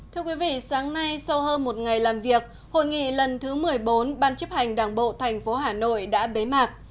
thưa quý vị sáng nay sau hơn một ngày làm việc hội nghị lần thứ một mươi bốn ban chấp hành đảng bộ tp hà nội đã bế mạc